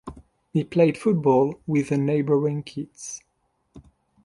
He played football with the neighboring kids.